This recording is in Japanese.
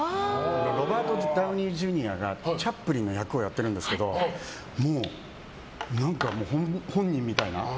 ロバート・ダウニー・ジュニアがチャップリンの役をやってるんですけどもう、本人みたいな。